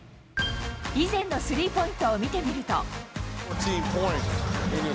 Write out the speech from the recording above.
以前のスリーポイントを見てみると。